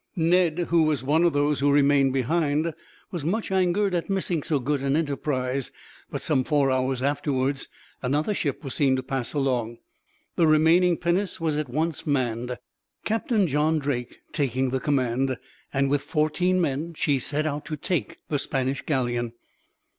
Ned, who was one of those who remained behind, was much angered at missing so good an enterprise; but some four hours afterwards another ship was seen to pass along. The remaining pinnace was at once manned, Captain John Drake taking the command; and, with fourteen men, she set out to take the Spanish galleon.